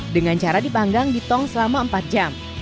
dengan cara dipanggang di tong selama empat jam